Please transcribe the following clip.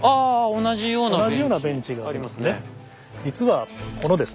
同じようなベンチがありますね。